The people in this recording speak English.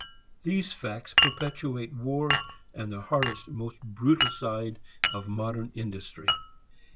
These facts perpetuate war and the hardest, most brutal side of modern industry.